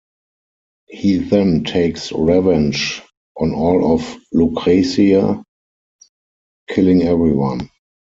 He then takes revenge on all of Lucretia, killing everyone.